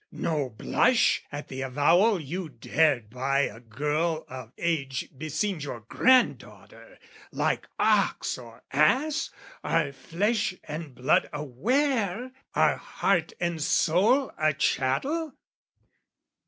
"No blush at the avowal you dared buy "A girl of age beseems your granddaughter, "Like ox or ass? Are flesh and blood a ware? "Are heart and soul a chattel?"